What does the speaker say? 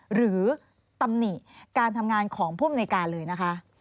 หรือตำหนิการทำงานของผู้อำนวยการเลยนะคะ